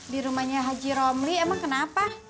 di rumahnya haji romli emang kenapa